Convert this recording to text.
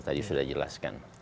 tadi sudah dijelaskan